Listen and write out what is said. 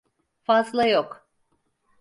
Fazla yok.